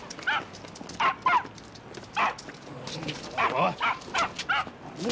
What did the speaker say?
おい。